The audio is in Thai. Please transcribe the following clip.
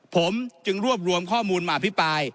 ผมจึงรวบรวมข้อมูลมาอภิปราย